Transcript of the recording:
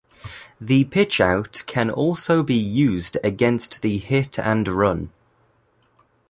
The pitchout can also be used against the hit and run.